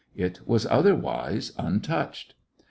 It was otherwise un touched.